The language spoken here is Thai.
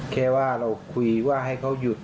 แค่ว่าเราคุยว่าให้เขาหยุด